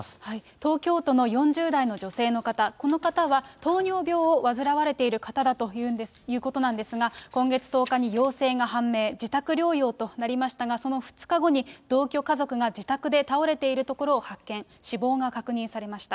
東京都の４０代の女性の方、この方は糖尿病を患われている方だということなんですが、今月１０日に陽性が判明、自宅療養となりましたが、その２日後に、同居家族が自宅で倒れているところを発見、死亡が確認されました。